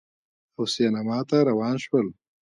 او سینما ته روان شول